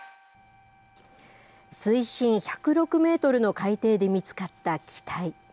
水深１０６メートルの海底で見つかった機体。